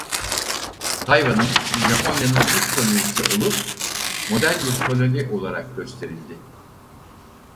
Tayvan'ın Japonya'nın ilk kolonisi olup model bir koloni olarak gösterildi.